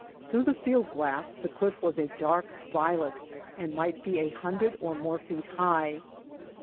Through the field glass the cliff was a dark violet and might be a hundred or more feet high.